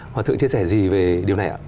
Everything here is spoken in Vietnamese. hòa thượng chia sẻ gì về điều này ạ